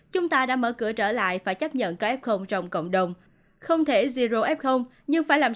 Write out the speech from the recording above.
chúng ta đã mở cửa trở lại phải chấp nhận có f trong cộng đồng không thể zero f nhưng phải làm